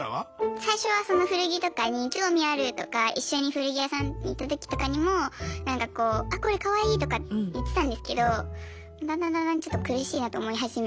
最初はその古着とかに興味あるとか一緒に古着屋さんに行った時とかにもなんかこうあっこれカワイイとか言ってたんですけどだんだんだんだんちょっと苦しいなと思い始め。